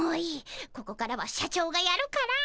ここからは社長がやるから。